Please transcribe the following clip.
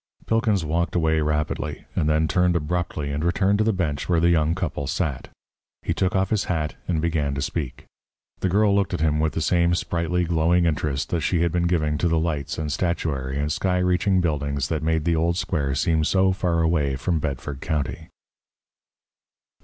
Pilkins walked away rapidly, and then turned abruptly and returned to the bench where the young couple sat. He took off his hat and began to speak. The girl looked at him with the same sprightly, glowing interest that she had been giving to the lights and statuary and sky reaching buildings that made the old square seem so far away from Bedford County.